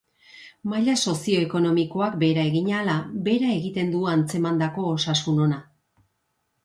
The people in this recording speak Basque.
Maila sozioekonomikoak behera egin ahala, behera egiten du antzemandako osasun ona.